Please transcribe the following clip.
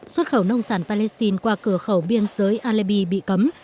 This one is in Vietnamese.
xuất khẩu nông sản palestine qua cửa khẩu biên giới aleby bị cấm